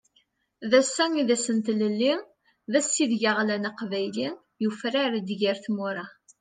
D ass-a i d ass n tlelli, d ass ideg aɣlan aqbayli, yufrar-d ger tmura.